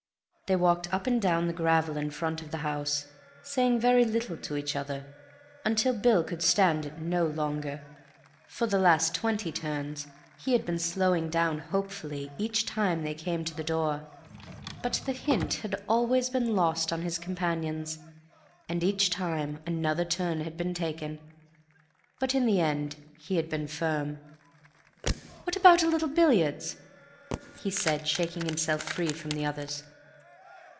They walked up and down the gravel in front of the house, saying very little to each other, until Bill could stand it no longer. For the last twenty turns he had been slowing down hopefully each time they came to the door, but the hint had always been lost on his companions, and each time another turn had been taken. But in the end he had been firm. "What about a little billiards?" he said, shaking himself free from the others.